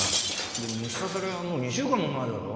でも虫刺されはもう２週間も前だろ？